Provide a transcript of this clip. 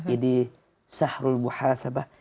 ini sahrul muhasabah